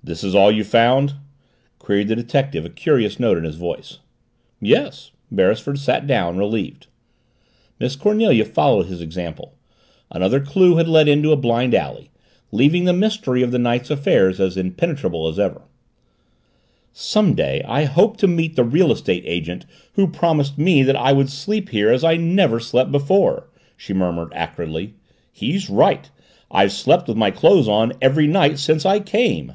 "This is all you found?" queried the detective, a curious note in his voice. "Yes." Beresford sat down, relieved. Miss Cornelia followed his example. Another clue had led into a blind alley, leaving the mystery of the night's affairs as impenetrable as ever. "Some day I hope to meet the real estate agent who promised me that I would sleep here as I never slept before!" she murmured acridly. "He's right! I've slept with my clothes on every night since I came!"